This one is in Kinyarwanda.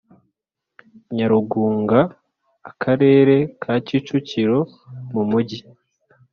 Nyarugunga Akarere ka Kicukiro mu Mujyi